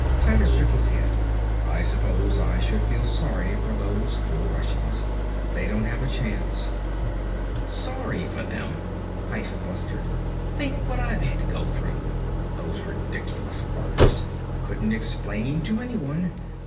Titus shook his head. "I suppose I should feel sorry for those poor Russians. They don't have a chance." "Sorry for them!" Fyfe blustered. "Think what I've had to go through. Those ridiculous orders; couldn't explain to anyone.